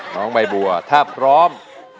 น้องใบบัวถ้าพร้อม